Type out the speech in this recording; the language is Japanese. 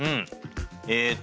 えっと